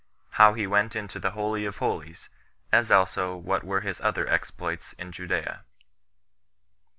How He Went Into The Holy Of Holies; As Also What Were His Other Exploits In Judea.